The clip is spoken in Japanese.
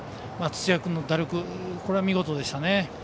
土屋君の打力、見事でしたね。